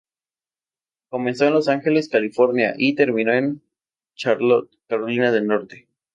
Comenzó en Los Ángeles, California, y terminó en Charlotte, Carolina del Norte.